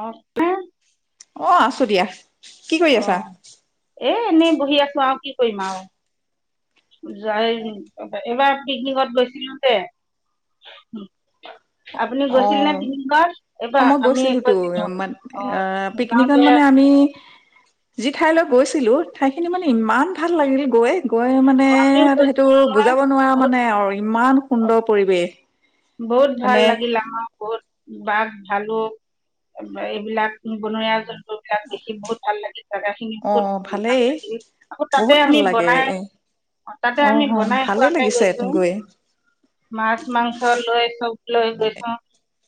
অ অ আছো দিয়া কি কৰি অ আছা এ এনেই বহি আছো আও কি কইম আও যাই এ এবাৰ পিকনিকত গৈছিলো যে আপুনি অ গৈছিল নে পিকনিকত অ এইবাৰ মই আমি গৈছিলো তো মান অ', এ পিকনিকত যাওঁতে মানে আমি যিঠাইলৈ গৈছিলো ঠাইখিনি মানে উম, ইমান ভাল লাগিল গৈ গৈ মানে আমিও সেইটো গৈছিলো নহয় বুজাব নোৱাৰা বহুত মানে আৰু ইমান সুন্দৰ পৰিৱেশ উম বহুত ভাল লাগিল আমাৰ বহুত বাঘ ভালুক এইবিলাক বনৰীয়া জীৱ জীৱবিলাক দেখি বহুত ভাল লাগিল জাগা খিনি অ বহুত উ ভাল ভালেই লাগিল আকৌ তাতে বহুত ভাল আমি লাগে বনাই এ তাতে অ আমি অ বনাই ভালেই খোৱাকে লাগিছে গৈছো গৈ মাছ মাংস লৈ লবলৈ গৈ চাওঁ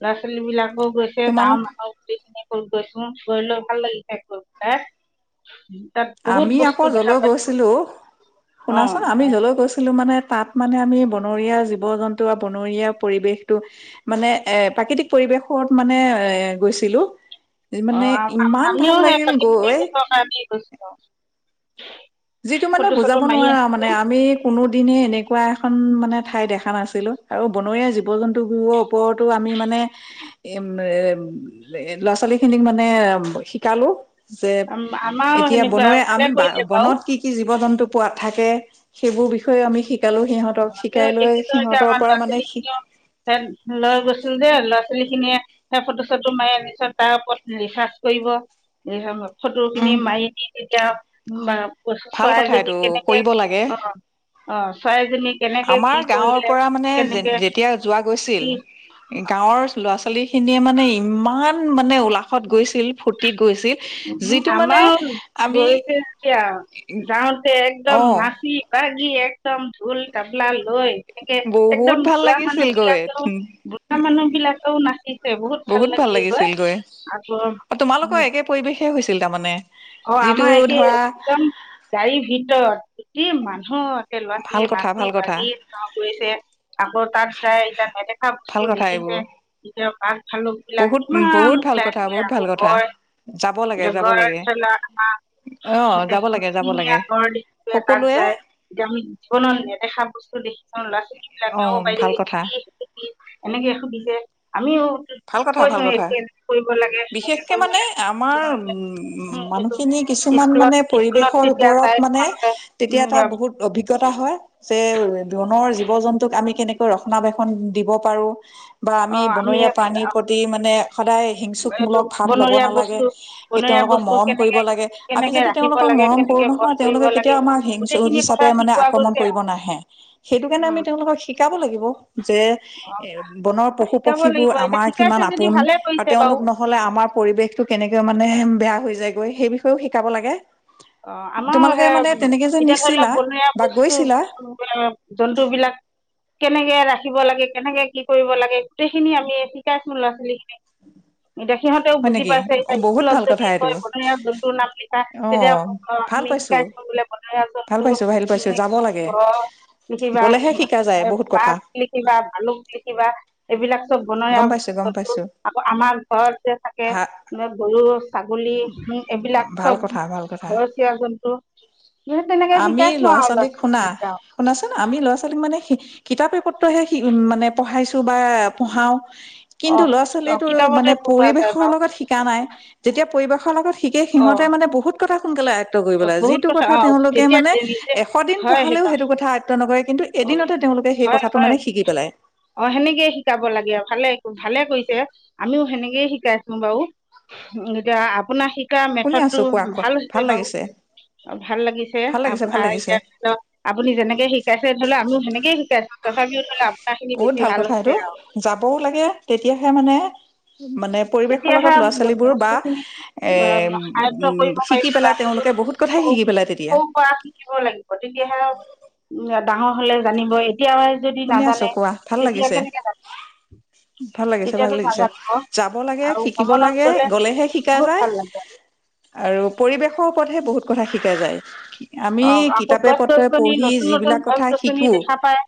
ল'ৰা ছোৱালী বিলাক গৈছে গাঁও তোমালোক মানুহৰ গোটেইখিনি গৈ লৈ বিলাই ভাল লাগিছে গৈ বিলাই আমি আকৌ যৰলৈ গৈছিলো অঁ শুনাচোন আমি যৰলৈ গৈছিলো মানে তাত মানে আমি বনৰীয়া জীৱ জন্তু বা বনৰীয়া পৰিৱেশটো মানে এ প্ৰাকৃতিক পৰিৱেশত মানে এ গৈছিলোঁ। অ' আ আমি আমিও সেই প্ৰাকৃতিক গৈ পৰিৱেশৰ কাৰণে গৈছিলোঁ। যিটো মানে ফটো চটো বুজাব মাৰি নোৱাৰা মানে আনিছোঁ আমি কোনো দিনে এনেকুৱা এখন মানে ঠাই দেখা নাছিলোঁ আৰু বনৰীয়া জীৱ জন্তুবোৰৰ ওপৰতো আমি মানে উম, এ ল'ৰা ছোৱালী খিনিক মানে শিকালোঁ। আমা আমাও সেনেকুৱা আমি ভালে কৰিলে বাৰু। বনত কি কি জীৱ জন্তু পোৱাত থাকে সেইবোৰ বিষয়ে আমি শিক তেখেতক তেতিয়া আমাৰ পৰা মানে ল'ৰা-ছোৱালী কেইটামান লৈ গৈছিলো যে ল'ৰা ছোৱালীখিনিয়ে সেই ফটো চটো মাৰি নিশ্চয় তাৰ ওপৰত ৰিচাৰ্চ কৰিব উম ফটোৰখিনি মাৰি দি মেলি এতিয়া, মা কৈছো ভাল চৰাই কথা যদি এইটো কেনেকে কৰিব কি, লাগে অঁ, অঁ চৰাইজনী কেনেকে কি আমাৰ গাঁৱৰ কৰিলে পৰা মানে যে কেনেকে যেতিয়া যোৱা গৈছিল, কি গাঁৱৰ ল'ৰা-ছোৱালী খিনিয়ে মানে ইমান মানে উলাহত গৈছিল ফূৰ্তিত গৈছিল যিটো মানে আমাও আমি গৈছে এতিয়া যাওঁতে একদম অ নাচি বাগি যিয়েক একদম ঢোল তাপলা লৈ একে বহুত একদম ভাল বুঢ়া মানুহ লাগিছিল গৈ বিলাকেও বুঢ়া মানুহ বিলাকেও নাচিছে বহুত ভাল লাগিছিল গৈ, আকৌ তোমালোকৰ সেই একেই পৰিৱেশে একেই পৰিৱেশে হৈছিল তাৰমানে অ যিটো আমাৰ একেই ধৰা একদম গাড়ীৰ ভিতৰত গোটেই মানুহ একে ভাল ল'ৰা-ছোৱালীয়ে কথা নাচি ভাল কথা বাগি গৈছে আকৌ তাত যাই এতিয়া নেদেখা বস্তু ভাল কথা দেখিছে এইবোৰ এতিয়া বাঘ-ভালুকবিলাক বহুত কিমান বহুত ভাল কথা ওলাইছেহি বহুত আকৌ ভাল কথা গড় যাব লাগে এতিয়া যাব গড় লাগে আমাৰ অ যাব লাগে যাব এখঙীয়া লাগে গড় দেখিছো। সকলোৱে যায় এতিয়া আমি জীৱনত নেদেখা বস্তু দেখি চাওঁ ল'ৰা অ ছোৱালীবিলাকেও অঁ বাইদেউ ভাল এইটো কথা কি সেইটো কি এনেকে সুধিছে আমিও ভাল কথা কৈছো ভাল কথা এইটো এনে কৰিব লাগে সনেকে বিশেষকে কৰিব মানে লাগে আমাৰ তোমালোকে উম মানুহখিনি কিছুমান মানে পৰিৱেশৰ তেতিয়া ওপৰত তাই মানে তোমালোকে তেতিয়া উম এটা বহুত অভিজ্ঞতা হয় যে বনৰ জীৱ জন্তুক আমি কেনেকৈ ৰক্ষনাাবেক্ষন দিব পাৰো বা আমি বনৰীয়া প্ৰতি মানে নে সদায় এইটো হিংসুকমূলক ভাৱ লব বনৰীয়া নালাগে বস্তু স বনৰীয়া তেওঁলোকক বস্তু মৰম কৰিব কেনেকে লাগে আমি কেনেকে যদি ৰাখিব তেওঁলোকক লাগে মৰম কৰো কেনেকে বধ নহয় কৰিব তেওঁলোকে লাগে কেতিয়াও আমাক হিংসুক গোটেইখিনি কথা হিচাপে মানে শিকোৱা আক্ৰমণ গৈছে আৰু কৰিব নাহে, সেইটো কাৰণে আমি উম তেওঁলোকক শিকাব লাগিব যে এ বনৰ অ শিকাব পশু-পক্ষীবোৰ লাগিব এতিয়া আমাৰ শিকাইছে কিমান যদি আপোন ভালে আৰু কৰিছে বাৰু তেওঁলোক নহলে আমাৰ পৰিৱেশতটো কেনেকৈ মানে বেয়া হৈ যে সেই বিষয়েও শিকাব লাগে। অঁ আমাৰ তোমালোকে সে মানে তেনেকে যে এতিয়া ধৰি লওক নিছিলা বনৰীৱা বা বস্তু গৈছিলা জন্তুবিলাক কেনেকে ৰাখিব লাগে কেনেকে কি কৰিব লাগে গোটেইখিনি আমি শিকাইছো ল'ৰা-ছোৱালী খিনিক। এতিয়া সিহঁতেও হয় বুজি নেকি পাইছে এতিয়া অ বহুত স্কুলত ভাল কথা যদি এইটো কয় বনৰীয়া জন্তু নাম লিখা তেতিয়াও অ ভাল আমি পাইছো শিকাইচো বোলে বনৰীয়া জোন্ত ভাল পাইছো ভাল পাইছো যাব লাগে বাঘ লিখিবা গলেহে শিকা যায় বহুত কথা পাক লিখিবা ভালুক লিখিবা এইবিলাক বনৰীয়া গম পাইছো গম পাইছো আকৌ আমাৰ ঘৰত যে থাকে ভা গৰু ছাগলী উম এইবিলাক ভাল চব কথা ভাল কথা ঘৰৰ চীয়া জন্তু তেনেকে আমি শিকাইছো আৰু ল'ৰা ছোৱালীক শুনা ছোৱালী শুনাচোন আমি কেটাও ল'ৰা ছোৱালীক মানে কিতাপে পত্ৰইহে উ মানে পঢ়াইছো বা পঢ়াও কিন্তু অঁ ল'ৰা অঁ ছোৱালীয়েতো কিতাপতে মানে পোৱা যায় পৰিৱেশৰ বাৰু লগত শিকা নাই যেতিয়া পৰিৱেশৰ লগত ঠিক অঁ সহঁতে মানে বহুত কথা সোনকালে আয়ত কৰি পেলায় বহুত যিটো কথা অঁ তেওঁলোকে তেতিয়া মানে নিজে এশ দিন হয় পঢ়ালেও সেইবা সেইটো কথা আয়ত্ব নকৰে কিন্তু অঁ এদিনতে তেওঁলোকে সেই হয় কথাটো হয় মানে শিকি পেলায় অ সেনেকেই শিকাব লাগে ভালে ভালে কৰিছে আমিও সেনেকেই শিকাইছো বাৰু এতিয়া আপোনাক শ তাৰ শুনি মেথড টো আছো কোৱা কোৱা ভাল হৈছে বাৰু লাগিছে ভাল লাগিছে ভাল আপ লাগিছে ভাল এতিয়া লাগিছে পিছত আপুনি যেনেকে শিকাইছে ধৰি লও আমিও সেনেকে শ শিকে [unintelligible] বহুত ভাল কথা এইটো আৰু যাবও লাগে তেতিয়াহে মানে মানে পৰিৱেশৰ তেতিয়াহে লগত ল'ৰা ছোৱালীবোৰ বা বস্তুখিনি এ আয়ত্ব কৰিব পাৰিব শিকি ল'ৰা পেলাই ছোৱালী তেওঁলোকে বহুত কথাই সৰু শিকি পেলাই তেতিয়া সৰুৰ উ ডাঙৰ হলে জানিব কেতিয়াই যদি শুনি আছো নাজানে কোৱা ভাল তেতিয়া লাগিছে কেনেকে জানিব ভাল লাগিছে ভাল তেতিয়াতো লাগিছে নাজানিব যাব লাগে আৰু শিকিব ভ্ৰমণত লাগে গলে গলেহে শিকা বহুত যায় ভাল লাগে আৰু পৰিবেশৰ ৰততহে বহুত কথা শিকা যায় আমি অ আকৌ কিতাপে গছ পত্ৰই গছনি পঢ়ি নতুন নতুন যিবিলাক গছ কথা গছনি শিকো দেখা পায়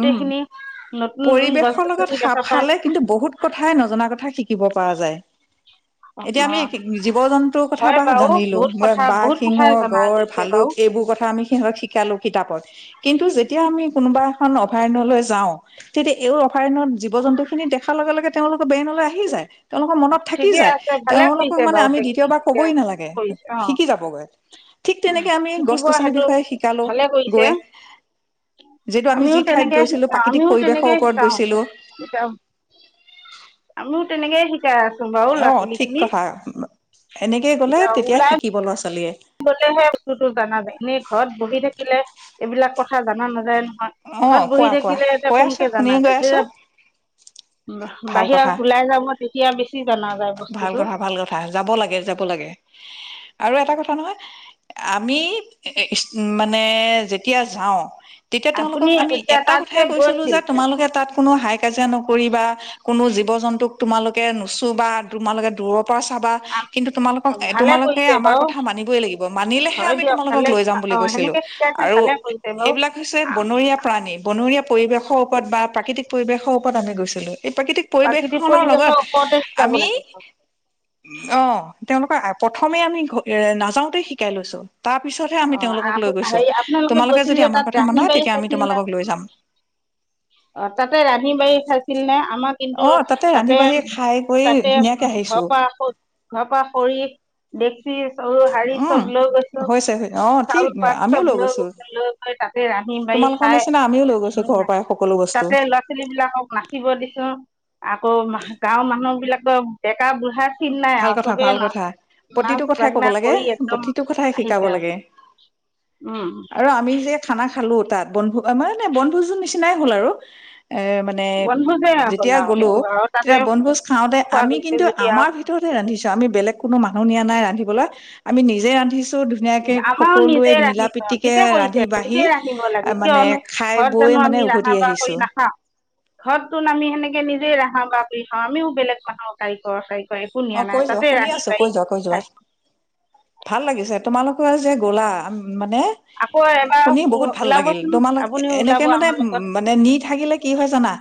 উম নতুন নতুন গছ পৰিৱেশৰ লগত গছনি সাপ দেখা পায় খালে কিন্তু বহুত কথাই নজনা কথা শিকিব ক পৰা যায় এতিয়া আমি জীৱ জন্তুৰ কথা হয় বা বাৰু জানিলো বহুত কথা বাঘ বহুত সিংহ কথাই জনা গড় গৈছে বাৰু ভালুক এইবোৰ কথা আমি সিহঁতক শিকালো কিতাপত কিন্তু যেতিয়া আমি কোনোবা খন অভয়াৰণয়লৈ যাওঁ তেতিয়া এই অভয়াৰণয়ত জীৱ জন্তু খিনি দেখাৰ লগে লগে তেওঁলোকে ব্ৰেনলৈ আহি যায় তেওঁলোকৰ মনত থাকি ঠিকে যায় আছে ভালে তেওঁলোকক কৰিছে মানে বাৰু আমি সেইখিনি দ্বিতীয়বাৰ সেনেকে কবই নালাগে কৰিছে অ শিকি যাবগৈ ঠিক তেনেকে আমি গছ শিকিব গছনিৰ সেইটো বিষয়ে শিকালো ভালে কৰিছে গৈ যিহেটো আমি আমিও ঠাইত তেনেকে গৈছিলো শিকা প্ৰাকৃতিক আমিও পৰিৱেশৰ তেনেকে ওপৰত শিকাও গৈছিলো শিকাম আমিও তেনেকে শি অহ ঠিক কথা। এনেকে কলে তেতিয়া শিকিব ল'ৰা ছোৱালীয়ে। গলেহে বস্তুটো জানা যায় এনেই ঘৰত বহি থাকিলে এইবিলাক কথা জানা নাযায় ন অ ঘৰত বহি কোৱা কোৱা থাকিলে এতিয়া কৈ আছা কোনকে শুনি জানা গৈ যে আছো ভাল কথা বাহিৰত ওলাই যাব তেতিয়া জানা যায় ভাল বস্তুটো কথা ভাল কথা যাব লাগে যাব লাগে আৰু এটা কথা নহয় আমি মানে যেতিয়া যাওঁ তেতিয়া তেওঁলোকক আপুনি আমি এতিয়া এটা তাত যে কথাই কৈছিলো গৈছিল যে তোমালোকে তাত কোনো হাই কাজিয়া নকৰিবা কোনো জীৱ জন্তুক তোমালোকে ন বা তোমালোকে দোৰক চাবা কিন্তু তোমালোকক ভালে তোমালোকে কৰিছে আমাৰ বাৰু কথা মান লাগিব মানিলেহে হয় আমি দিয়ক তোমালোকক ভালে লৈ যাম অ বুলি কৈছিলো সেনেকে শিকাইছে আৰু ভালে কৰিছে বাৰু এইবিলাক হৈছে বনৰীয়া প্ৰাণী বনৰীয়া পৰিৱেশৰ ওপৰত বা প্ৰাকৃতিক পৰিৱেশৰ ওপৰত আমি গৈছিলোঁ। এই প্ৰাকৃতিক পৰিৱেশ খনৰ লগত পৰিৱেশৰ ওপৰতে শিকাব আমি লাগে চব অঅ তেওঁলোকৰ প্ৰথমে আমি এহ নাযাওঁতেই শিকাই লৈছো। তাৰ পিছতহে অ আমি তেওঁলোকক লৈ গৈছো, হেৰি আপোনালোকে তোমালোকে গৈছিল যদি যে আমাৰ তাত কথা ৰান্ধি মান বাঢ়ি তেতিয়া আমি তোমালোকক লৈ যাম। অহ তাতে ৰান্ধি বাঢ়ি খাইছিল নে আমাৰ কিন্তু অ', ৰান্ধি তাতে বাঢ়ি খাই কৰি তাতে ধুনীয়াকে আহিছো ঘৰ পৰা ঘৰ পৰা খৰি দেখ [unintelligible] চৰু হাৰী উম। চব লৈ গৈছো হৈছে অ', ঠিক চাউল পাত আমিও চব লৈ গৈছো লৈ গৈ তাতে ৰান্ধি বাঢ়ি তোমালোকৰ নিচিনা আমিও লৈ গৈছো খাই ঘৰৰ পৰাই সকলো বস্তু তাতে ল'ৰা -ছোৱালী বিলাকক নাচিব দিছো। আকৌ গাঁৱৰ মানুহবিলাকৰ ভাল কথা ভাল কথা নাচ প্ৰতিটো কথাই কব বাগনা লাগে কৰি একদম প্ৰতিটো কথাই শিকাব আহিছে আৰু লাগে উম আৰু আমি যে খানা খালো তাত বনভোগ মানে বনভোজৰ নিচিনাই হ'ল আৰু এহ মানে বনভোজে হ'ল যেতিয়া আৰু গ'লো সেইটো আৰু তাতে তেতিয়া বনভোজ খাওঁতে খোৱা আমি গৈছে কিন্তু যেতিয়া আমাৰ ভিতৰতে ৰান্ধিছো আমি বেলেগ কোনো মানুহ নিয়া নাই ৰান্ধিব বলা আমি নিজে ৰান্ধিছো ধুনীয়াকে আমাৰো নিজে সকলোৱে ৰান্ধি মিলা থওঁ প্ৰীতিকে ঠিকে কৰিছে ৰান্ধি নিজে ৰান্ধিব লাগে বাঢ়ি মানে কিয়নো খাই ঘৰত জানো বৈ মানে উভতি আহিছো। ঘৰত চোন আমি সেনেকে নিজে ৰাহা বা দি খাও বেলেগ মানুহৰ কাৰিকৰ চাৰি অহ কৈ যোৱা শুনি আছো কৈ যোৱা কৈ যোৱা খাইছোঁ ভাল লাগিছে তোমালোকৰ যে গ'লা মানে আকৌ এবাৰ শুনি বহুত ভাল লাগিল ওলাবচোন তোমালোক আপুনিও ওলাব এনেকে মানে আমাৰ উ লগত মানে নি থাকিলে কি হয় জানা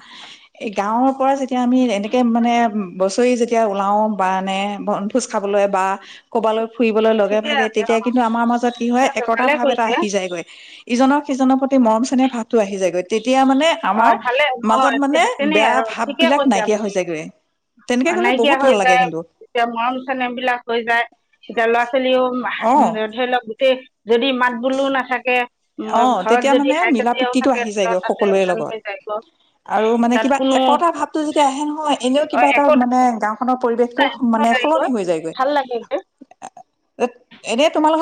এই গাঁৱৰ পৰা যেতিয়া আমি এনেকে মানে বছৰি যেতিয়া ওলাও বানে বন ভোজ খাবলৈ বা কৰ'বালৈ ফুৰিবলৈ লগে ঠিকে ভাগে আছে তেতিয়া অঁ কিন্তু আমাৰ মাজত কি ঠিক হয় আছে একতা ভালে ভাৱ এটা কৰিছে আহি যায়গৈ ইজনৰ সিজনৰ প্ৰতি মৰম চেনেহ ভাৱোটো আহি যায় গৈ তেতিয়া মানে অঁ আমাৰ ভালে অঁ মাজত মানে তেনেই বেয়া আৰু ভাব ঠিকে বিলাক কৈছে নাইকিয়া হৈ আপুনি যায়গৈ। তেনেকে গলে বহুত ভাল লাগে এতিয়া মৰম চনেম বিলাক হৈ যায় তেতিয়া ল'ৰা ছোৱালীও অ ধৰি লওক যে গোটেই যদি মাত বোলো নাথাকে অ ঘৰত তেতিয়া যদি মানে হাই মিলা কাজিয়াও প্ৰিতিটো থাকে আহি যায়গৈ তাতে সকলোৰে ভাল লগত হৈ যায়গৈ আৰু মানে তাত কিবা কোনো একতা ভাৱটো যেতিয়া আহে নহয় এনেও কিবা এটা একো মানে গাওখনৰ পৰিৱেশটো মানে যায়গৈ সলনি হৈ যাগৈ ভাল লাগে গৈ এনে তোমালোক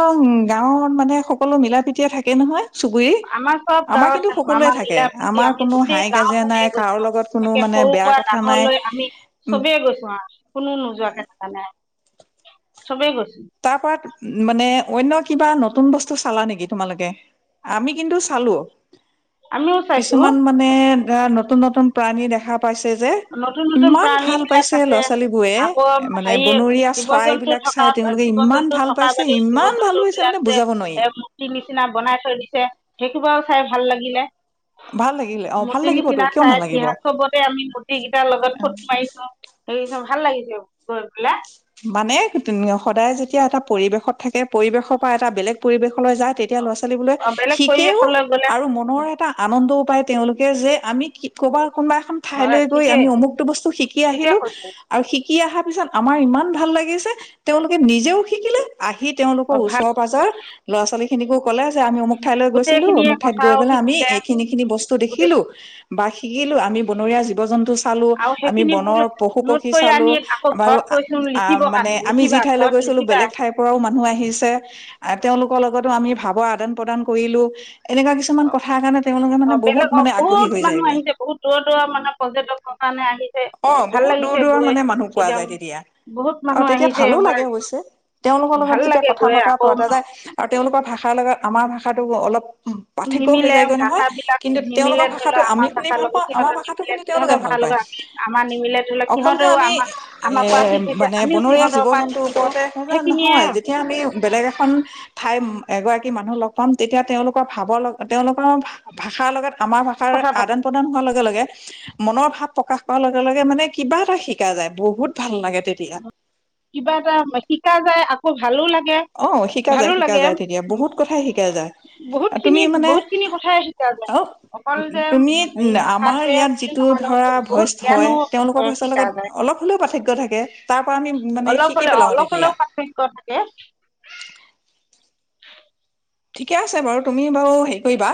গাঁৱত মানে সকলো মিলা প্ৰীতিয়ে থাকে কে নহয় চুবুৰী আমাৰ চব আমাৰ কিন্তু গাঁৱত সকলোৱে আমা থাকে মিলা প্ৰীতি আমাৰ আমি কোনো গোটেই হাই কাজিয়া নাই গাওখনেই কাৰো গৈছো, লগত কোনো তাকে মানে সৰু বেয়া পৰা কথা নাই ডাঙৰলৈ আমি উ চবেই গৈছো আও কোনো নোযোৱাকে থকা নাই। চবেই গৈছে তাৰ পৰা উ মানে অন্য কিবা নত নতুন বস্তু চালা নেকি তোমালোকে? আমি কিন্তু চালো। আমিও চাইছো কিছুমান মানে এ নতুন নতুন প্ৰাণী দেখা পাইছে যে, নতুন নতুন ইমান ভাল প্ৰাণীবিলাক পাইছে আছে ল'ৰা ছোৱালী বোৰে আকৌ মানে হেৰি বনৰীয়া চৰাইবিলাক চাই তেওঁলোকে জীৱ ইমান জন্তু ভাল থকা পাইছে বাদদি জীৱ ইমান ভাল জন্তু পাইছে মানে বিলাকে বুজাব নোৱাৰি এ মূৰ্তি নিচিনা বনাই থৈ দিছে সেইটো বাৰু চাই ভাল লাগিলে ভাল লাগিলে অ ভাল মতি লাগিবতো নিচিনা কিয় চাই নালাগিব হাস চবতে আমি গোটকেইটাৰ লগত ফটো মাৰিছো সেই চ ভাল লাগিছে গৈ পেলায় মানে উ সদায় যেতিয়া এটা পৰিৱেশত থাকে, পৰিৱেশৰ পৰা এটা বেলেগ পৰিৱেশ যায় তেতিয়া ল'ৰা ছোৱালীবোলে অ বেলেগ শিকেও পৰিৱেশলৈ গ'লে আৰু মনৰ এটা আনন্দ পাই তেওঁলোকে যে আমি ক'বাত কোনোবা এখন হয় ঠাইলৈ গৈ ঠিকেই আমি অমুকটো বস্তু শিকি ঠিকে আহিলো কৈছে আৰু সি অহাৰ পিছত আমাৰ ইমান ভাল লাগিছে তেওঁলোকে নিজেও শিকিলে আহি তেওঁলোকৰ অ ভাল ওচৰ পাঁজৰ ল'ৰা ছোৱালী খিনিকো ক'লে আমি অমুক ঠাইলৈ গৈছিলো গোটেইখিনিয়ে অমুক ঠাইত গৈ কথাও পেলাই আমি শিকিলে এইখিনি খিনি বস্তু গোটেই দেখিলো বা শিকিলো আমি বনৰীয়া জীৱ জন্তু চালো আৰু আমি সেইখিনি বোল বনৰ পশু নোট পক্ষী কৰি চালো আনি আকৌ বাৰু ঘৰত কৈছো লিখিবৰ মানে কাৰণে আমি যি লিখিবা ঠাইলৈ ঘৰত গৈছিলোঁ লিখিবা বেলেগ ঠাইৰ পৰাও মানুহ আহিছে তেওঁলোকৰ লগতো আমি ভাবা আদান প্ৰদান কৰিলো এনেকুৱা কিছুমান অ কথাৰ কাৰণে তেওঁলোকে অ মানে বহুত বেলেগ অ মানে আগ্ৰহী বহুত হৈ মানুহ যায়গৈ আহিছে বহুত দূৰ দূৰ মানে পৰ্যটক অ বহুত দূৰ দূৰৰ মানে মানুহ পোৱা এতিয়া যায় তেতিয়া বহুত মানুহ আৰু তেতিয়া আহিছে ভালো লাগে অৱশ্যে তেওঁলোকৰ ভাল লগত যেতিয়া লাগে কথা গৈ বতৰা আকৌ পতা যায় আৰু তেওঁলোকৰ ভাষা ভাষাৰ লগত আমাৰ ভাষাটো অলপ পাৰ্থক্য হৈ নিমিলে যায়গৈ নহয় ভাষাবিলাক কিন্তু নিমিলে তেওঁলোকৰ ধৰি ভাষাটো লওক আমি আমাৰ শুনি ভাষাৰ ভাল লগত পাওঁ আমাৰ সিহঁতৰ ভাষাটো নিমিলে শুনি তেওঁলোকে সিহঁতৰ ভাল ভাষাৰ পায় লগত আমাৰ নিমিলে ধৰি লওক অকল যে সিহঁতেও আমি আমাৰ এ আমাৰ পৰা শিকিছে মানে আমিও বনৰীয়া সিহঁতৰ জীৱ পৰা জন্তুৰ শিকিছো ওপৰতে সেইখিনিয়ে নহয় যেতিয়া আমি বেলেগ এখন ঠাই এগৰাকী মানুহ লগ পাম তেতিয়া তেওঁলোকৰ ভাৱৰ লগ তেওঁলোকৰ ভাষাৰ লগত আমাৰ ভাষাৰ কথা পাত আদান প্ৰদান হোৱা লে লগে লগে মনৰ ভাৱ প্ৰকাশ অলেকে তলেগে মানে কিবা এটা শিকা যায় বহুত ভাল লাগে তেতিয়া কিবা এটা শিকা যায় আকৌ ভালো লাগে অ শিকা ভালো যায় শিকা লাগে যায় তেতিয়া বহুত কথাই শিকা যায় বহুত তুমি খিনি মানে বহুত খিনি কথাই শিকা যায় অ অকল যে তুমি হেৰি আমাৰ ভাষাটোৱে ইয়াত বুলি যিটো নহয় ধৰা নহয় বহুত ভইচ হয় জ্ঞানো তেওঁলোকৰ ভইচৰ শিকা লগত যায় অলপ হলেও পাৰ্থক্য থাকে তাৰ পৰা আমি মানে অলপ শিকি অলপ পেলাও অলপ তেতিয়া অলপ পাৰ্থক্য থাকে ঠিকে আছে বাৰু তুমি বাৰু হেৰি কৰিবা